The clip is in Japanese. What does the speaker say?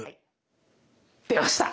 出ました。